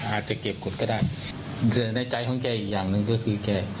อาจจะเก็บกฎก็ได้แต่ในใจของแกอีกอย่างหนึ่งก็คือแก